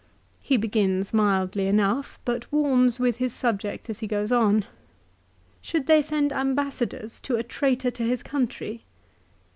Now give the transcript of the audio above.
He begins mildly enough, but warms with his subject as he goes on. " Should they send ambassadors to a traitor to his country